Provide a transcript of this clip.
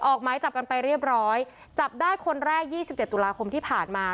ออกไม้จับกันไปเรียบร้อยจับได้คนแรกยี่สิบเด็กตุลาคมที่ผ่านมา